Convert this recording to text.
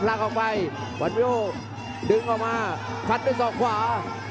พลังออกไปวันเมโยดึงออกมาคัดไปสองกว่า